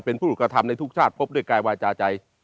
เป็นผู้ถูกกระทำในทุกชาติพบด้วยกายวาจาใจ